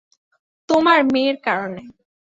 তোমার মেয়ের কারণে।